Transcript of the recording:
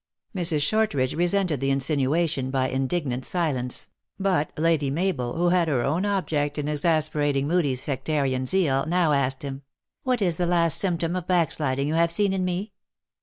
Mrs. Shortridge resented the insinuation by indig nant silence; but Lady Mabel, who had her own object in exasperating Moodie s sectarian zeal, now asked him :" What is the last symptom of back sliding you have seen in me